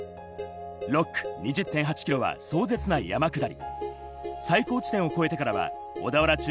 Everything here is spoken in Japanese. ６区２０．８ｋｍは壮絶な山下り。